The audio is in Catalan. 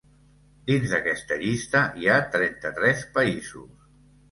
Dins d’aquesta llista hi ha trenta-tres països.